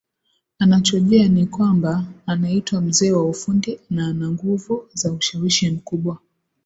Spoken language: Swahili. Anachojua ni kwamba anaitwa mzee wa ufundi na ana nguvu za ushawishi mkubwa